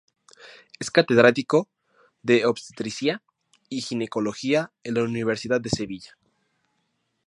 Es Catedrático de Obstetricia y Ginecología en la Universidad de Sevilla.